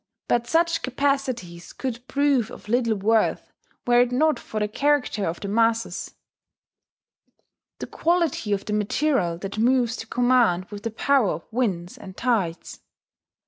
But such capacities could prove of little worth were it not for the character of the masses, the quality of the material that moves to command with the power of winds and tides.